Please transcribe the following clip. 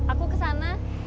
aku ke sana